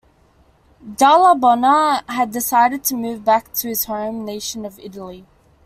Dalla Bona had decided to move back to his home nation of Italy.